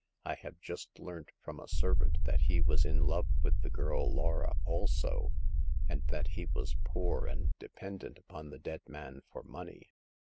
*M have just learnt from a servant that he was in love with the girl Laura also, and that he was poor and dependent upon the dead man for money.